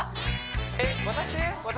えっ私？